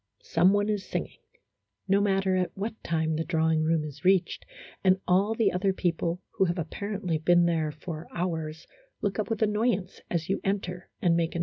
Some one is singing, no matter at what time the drawing room is reached, and all the other people, who have apparently been there for hours, look up with annoyance as you enter and make an 24 A HYPOCRITICAL ROMANCE.